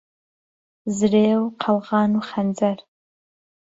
زرێ و قەلغان و خەنجەر